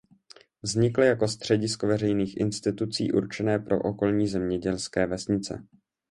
Vznikl jako středisko veřejných institucí určené pro okolní zemědělské vesnice.